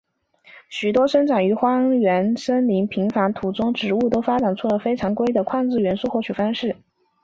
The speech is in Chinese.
许多生长于荒原森林贫乏土壤中的植物都发展出了非常规的矿质元素获取方式。